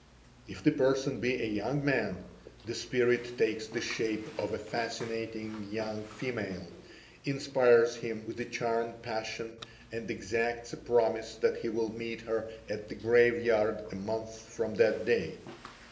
"If the person be a young man, the spirit takes the shade of a fascinating young female, inspires him with a charmed passion, and exacts a promise that he will meet her at the graveyard a month from that day.